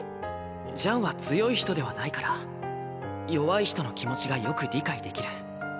ジャンは強い人ではないから弱い人の気持ちがよく理解できる。